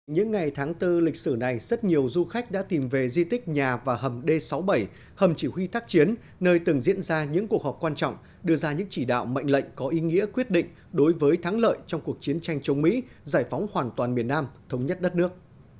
những ngày tháng bốn lịch sử này rất nhiều du khách đã tìm về di tích nhà và hầm d sáu mươi bảy hầm chỉ huy tác chiến nơi từng diễn ra những cuộc họp quan trọng đưa ra những chỉ đạo mệnh lệnh có ý nghĩa quyết định đối với thắng lợi trong cuộc chiến tranh chống mỹ giải phóng hoàn toàn miền nam thống nhất đất nước